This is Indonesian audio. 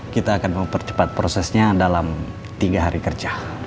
kita akan mempercepat prosesnya dalam tiga hari kerja